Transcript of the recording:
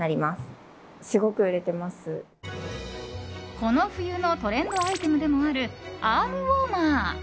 この冬のトレンドアイテムでもあるアームウォーマー！